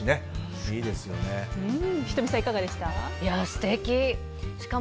仁美さん、いかがですか？